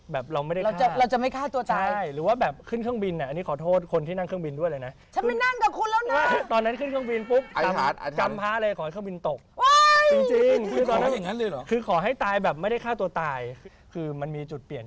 แบบเราไม่ได้ฆ่าใช่หรือว่าแบบขึ้นเครื่องบินอันนี้ขอโทษคนที่นั่งเครื่องบินด้วยเลยนะ